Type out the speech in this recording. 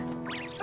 あ。